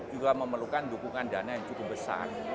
juga memerlukan dukungan dana yang cukup besar